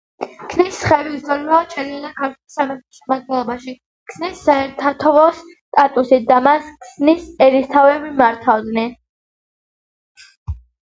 ქსნისხევი ისტორიულად შედიოდა ქართლის სამეფოს შემადგენლობაში ქსნის საერისთავოს სტატუსით და მას ქსნის ერისთავები მართავდნენ.